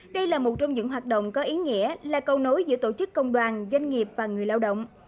đây là một trong những hoạt động có ý nghĩa là câu nối giữa tổ chức công đoàn doanh nghiệp và người lao động